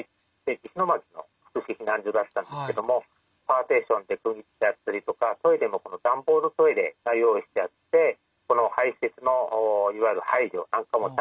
石巻の福祉避難所だったんですけどもパーテーションで区切ってあったりとかトイレも段ボールトイレが用意してあって排せつのいわゆる配慮なんかもちゃんとなされています。